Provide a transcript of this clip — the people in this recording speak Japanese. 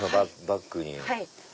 バッグに。